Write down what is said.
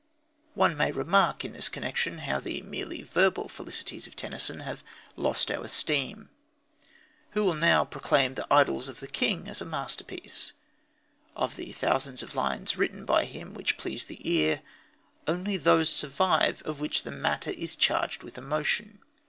One may remark in this connection how the merely verbal felicities of Tennyson have lost our esteem. Who will now proclaim the Idylls of the King as a masterpiece? Of the thousands of lines written by him which please the ear, only those survive of which the matter is charged with emotion.